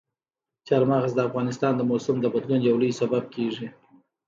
چار مغز د افغانستان د موسم د بدلون یو لوی سبب کېږي.